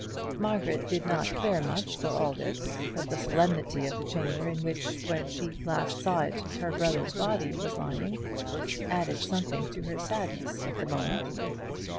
Margaret did not care much for all this; but the solemnity of the chamber in which, when she last saw it, her brother's body was lying, added something to her sadness at the moment.